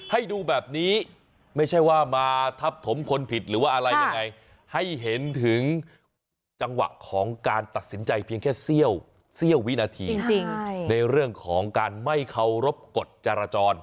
ให้ดูแบบนี้ไม่ใช่ว่ามาทับถมคนผิดหรือว่าอะไรยังไงให้เห็นถึงจังหวะของการตัดสินใจเพียงแค่เสี้ยววินาทีในเรื่องของการไม่เคารพกฎจราจร